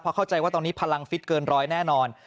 เข้าใจว่าตอนนี้พลังฟิตเกินร้อยแน่นอน